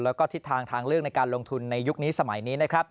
แล้วก็ทิศทางทางเลือกในการลงทุนในยุคนี้สมัยนี้นะครับ